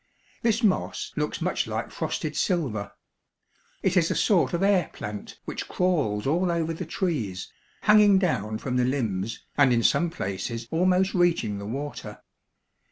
This moss looks much like frosted silver. It is a sort of air plant which crawls all over the trees, hanging down from the limbs, and in some places almost reaching the water.